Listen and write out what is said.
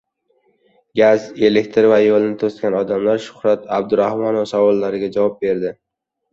Gaz, elektr va yo‘lni to‘sgan odamlar — Shuhrat Abdurahmonov savollarga javob berdi